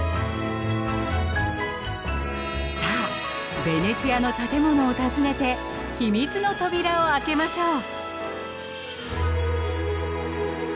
さあベネチアの建物を訪ねて秘密の扉を開けましょう！